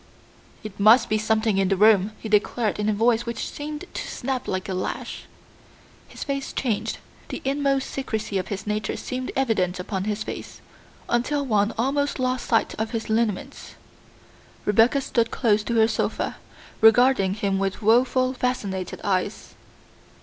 "It must be something in the room!" he declared in a voice which seemed to snap like a lash. His face changed, the inmost secrecy of his nature seemed evident upon his face, until one almost lost sight of his lineaments. Rebecca stood close to her sofa, regarding him with woeful, fascinated eyes.